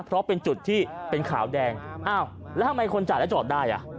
เพราะเป็นจุดที่เป็นขาวแดงอ้าวแล้วทำไมคนจ่ายแล้วจอดได้อ่ะ